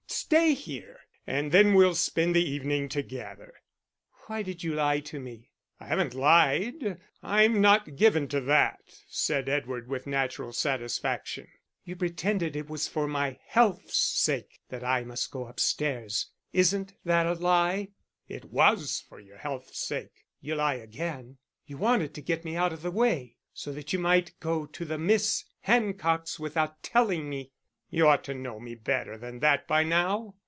Stay here, and then we'll spend the evening together." "Why did you lie to me?" "I haven't lied: I'm not given to that," said Edward, with natural satisfaction. "You pretended it was for my health's sake that I must go upstairs. Isn't that a lie?" "It was for your health's sake." "You lie again. You wanted to get me out of the way, so that you might go to the Miss Hancocks without telling me." "You ought to know me better than that by now."